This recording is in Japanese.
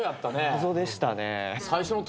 謎でしたね。